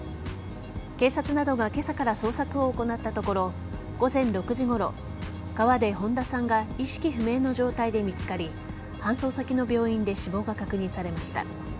警察などが今朝から捜索を行ったところ午前６時ごろ川で、本田さんが意識不明の状態で見つかり搬送先の病院で死亡が確認されました。